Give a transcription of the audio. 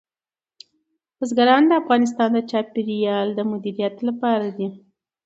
بزګان د افغانستان د چاپیریال د مدیریت لپاره دي.